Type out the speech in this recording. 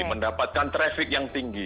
mendapatkan traffic yang tinggi